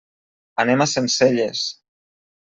Anem a Sencelles.